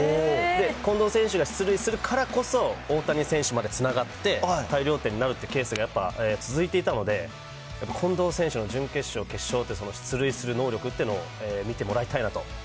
近藤選手が出塁するからこそ、大谷選手までつながって、大量点になるっていうケースがやっぱ続いていたので、やっぱり近藤選手の準決勝、決勝って、出塁する能力っていうのを見てもらいたいなと。